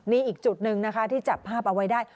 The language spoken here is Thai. นี่อีกจุดหนึ่งนะคะที่จับภาพเอาไว้ได้